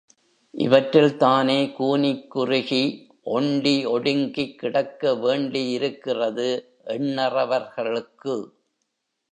இவற்றில் தானே கூனிக் குறுகி ஒண்டி ஒடுங்கிக் கிடக்கவேண்டியிருக்கிறது எண்ணறவர்களுக்கு?